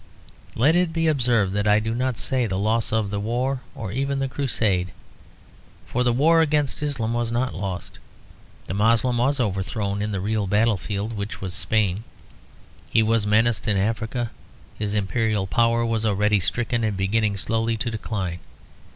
Let it be observed that I do not say the loss of the war, or even the Crusade. For the war against Islam was not lost. The Moslem was overthrown in the real battle field, which was Spain; he was menaced in Africa; his imperial power was already stricken and beginning slowly to decline.